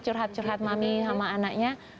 curhat curhat mami sama anaknya